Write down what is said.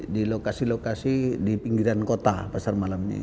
di lokasi lokasi di pinggiran kota pasar malam ini